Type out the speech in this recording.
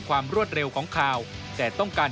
รวดเร็วของข่าวแต่ต้องการ